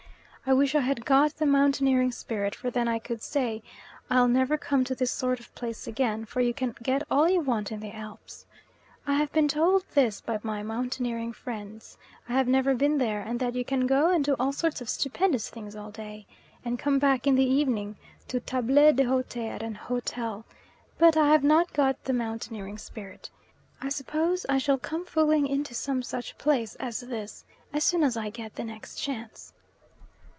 I wish I had got the mountaineering spirit, for then I could say, "I'll never come to this sort of place again, for you can get all you want in the Alps." I have been told this by my mountaineering friends I have never been there and that you can go and do all sorts of stupendous things all day, and come back in the evening to table d'hote at an hotel; but as I have not got the mountaineering spirit, I suppose I shall come fooling into some such place as this as soon as I get the next chance.